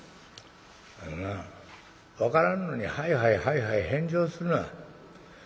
「あのな分からんのにはいはいはいはい返事をするな。